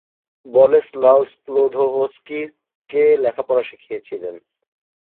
Boleslaw স্ক্লদভস্কিকে লেখাপড়া শিখিয়েছিলেন